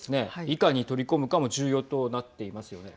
いかに取り込むかも重要となっていますよね。